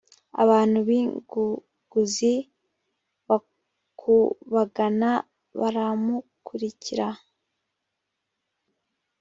abantu b inguguzi bakubagana baramukurikira